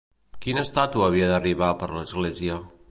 Quina estàtua havia d'arribar per l'església?